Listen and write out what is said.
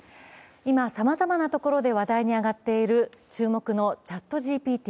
今、さまざまなところで話題に上っている、注目のＣｈａｔＧＰＴ。